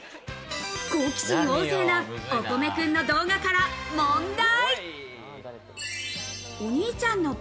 好奇心旺盛な、おこめくんの動画から問題。